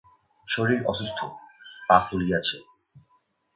শরীর অসুস্থ, পা ফুলিয়াছে।